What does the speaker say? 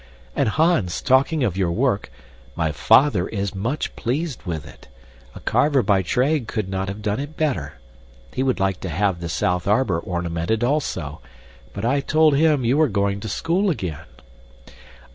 And, Hans, talking of your work, my father is much pleased with it. A carver by trade could not have done it better. He would like to have the south arbor ornamented, also, but I told him you were going to school again."